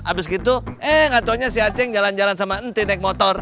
abis gitu eh gatau nya si acing jalan jalan sama ntin naik motor